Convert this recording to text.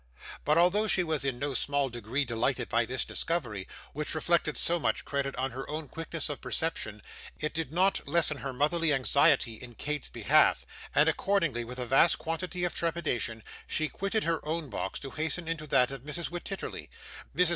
But, although she was in no small degree delighted by this discovery, which reflected so much credit on her own quickness of perception, it did not lessen her motherly anxiety in Kate's behalf; and accordingly, with a vast quantity of trepidation, she quitted her own box to hasten into that of Mrs. Wititterly. Mrs.